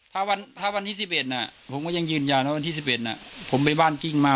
ถ้าวันที่๑๑ผมก็ยังยืนยันว่าวันที่๑๑ผมไปบ้านกิ้งมา